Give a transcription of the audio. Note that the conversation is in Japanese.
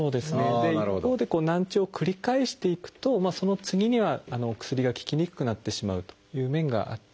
で一方でこう難聴を繰り返していくとその次には薬が効きにくくなってしまうという面がありますね。